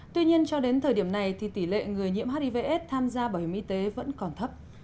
tuy nhiên cho đến thời điểm này thì tỷ lệ người nhiễm hivs tham gia bảo hiểm y tế vẫn còn thấp